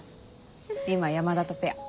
今山田とペア。